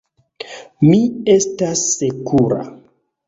Mi estas sekura.